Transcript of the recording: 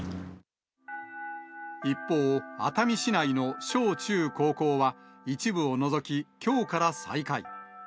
一方、熱海市内の小中高校は、一部を除き、きょうから再開。